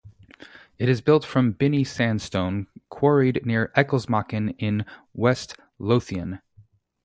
It is built from Binny sandstone quarried near Ecclesmachan in West Lothian.